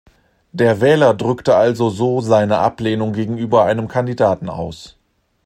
Der Wähler drückte also so seine Ablehnung gegenüber einem Kandidaten aus.